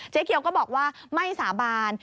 เคียวก็บอกว่าไม่สาบาน